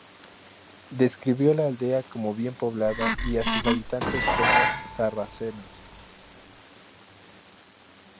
Describió la aldea como "bien poblada" y a sus habitantes como sarracenos.